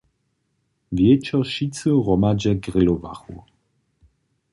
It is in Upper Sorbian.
Wječor wšitcy hromadźe grilowachu.